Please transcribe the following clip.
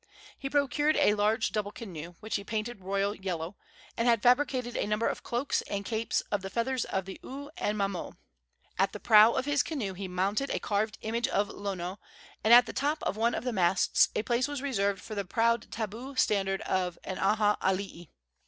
He procured a large double canoe, which he painted a royal yellow, and had fabricated a number of cloaks and capes of the feathers of the oo and mamo. At the prow of his canoe he mounted a carved image of Lono, and at the top of one of the masts a place was reserved for the proud tabu standard of an aha alii.